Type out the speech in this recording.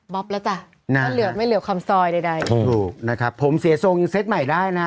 แล้วจ้ะถ้าเหลือไม่เหลือคำซอยใดใดถูกนะครับผมเสียทรงยังเซตใหม่ได้นะ